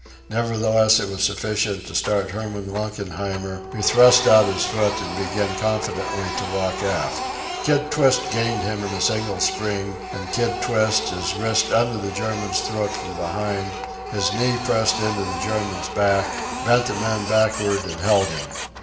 Nevertheless it was sufficient to start Herman Lunkenheimer, who thrust out his foot and began confidently to walk aft. Kid Twist gained him in a single spring, and Kid Twist, his wrist under the German's throat from behind; his knee pressed into the German's back, bent the man backward and held him.